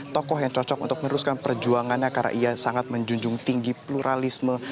tokoh yang cocok untuk meneruskan perjuangannya karena ia sangat menjunjung tinggi pluralisme